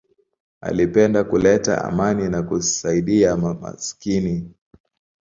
Alipenda kuleta amani na kusaidia maskini.